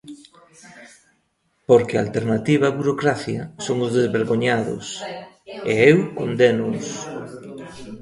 Porque a alternativa á burocracia son os desvergoñados, e eu condénoos.